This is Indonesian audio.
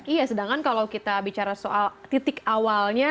iya sedangkan kalau kita bicara soal titik awalnya